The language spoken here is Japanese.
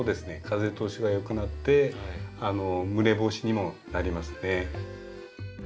風通しがよくなって蒸れ防止にもなりますね。